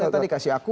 tadi kasih aku